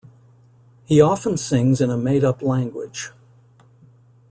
He often sings in a made-up language.